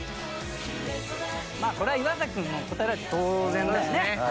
まあこれは岩君答えられて当然だよね。